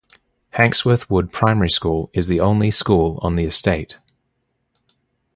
Hawksworth Wood Primary School is the only school on the estate.